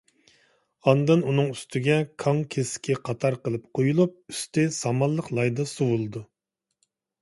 ئاندىن ئۇنىڭ ئۈستىگە كاڭ كېسىكى قاتار قىلىپ قويۇلۇپ، ئۈستى سامانلىق لايدا سۇۋىلىدۇ.